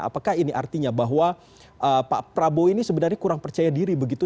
apakah ini artinya bahwa pak prabowo ini sebenarnya kurang percaya diri begitu